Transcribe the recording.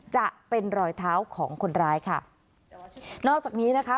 จะเป็นรอยเท้าของคนร้ายค่ะนอกจากนี้นะคะ